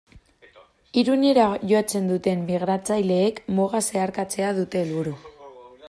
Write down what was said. Irunera jotzen duten migratzaileek muga zeharkatzea dute helburu.